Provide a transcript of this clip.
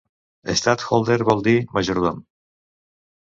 "Stadtholder" vol dir "majordom".